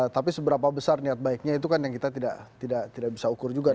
tapi seberapa besar niat baiknya itu kan yang kita tidak bisa ukur juga